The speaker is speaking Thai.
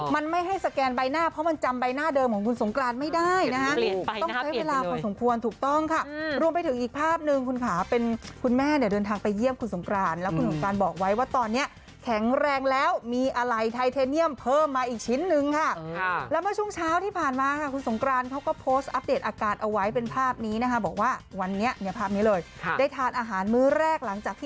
มันไม่ให้สแกนใบหน้าเพราะมันจำใบหน้าเดิมของคุณสงกรานไม่ได้นะคะต้องใช้เวลาพอสมควรถูกต้องค่ะรวมไปถึงอีกภาพหนึ่งคุณขาเป็นคุณแม่เดินทางไปเยี่ยมคุณสงกรานแล้วคุณสงกรานบอกไว้ว่าตอนนี้แข็งแรงแล้วมีอะไรไทเทเนียมเพิ่มมาอีกชิ้นนึงค่ะแล้วเมื่อช่วงเช้าที่ผ่านมาค่ะคุณสงกรานเขาก็